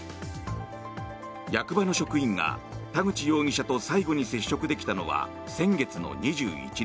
役場の職員が田口容疑者と最後に接触できたのは先月の２１日。